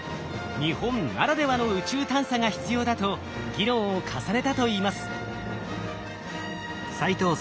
日本ならではの宇宙探査が必要だと議論を重ねたといいます。